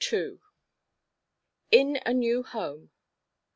_ IN A NEW HOME.